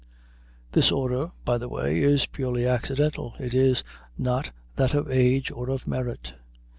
(This order, by the way, is purely accidental; it is not that of age or of merit.)